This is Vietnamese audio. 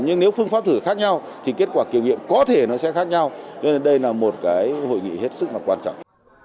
nhưng nếu phương pháp thử khác nhau thì kết quả kiểm nghiệm có thể nó sẽ khác nhau cho nên đây là một cái hội nghị hết sức là quan trọng